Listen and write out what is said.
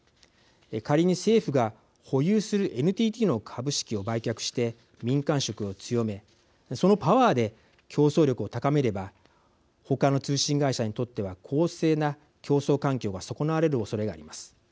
仮に、政府が保有するＮＴＴの株式を売却して民間色を強めそのパワーで競争力を高めれば他の通信会社にとっては公正な競争環境が損なわれるおそれがあります。